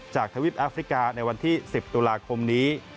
ทวิปแอฟริกาในวันที่๑๐ตุลาคมนี้